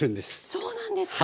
そうなんですか。